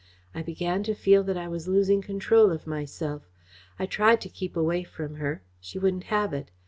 I began to feel that I was losing control of myself. I tried to keep away from her. She wouldn't have it.